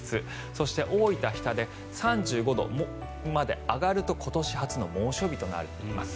そして、大分・日田で３５度まで上がると今年初の猛暑日となります。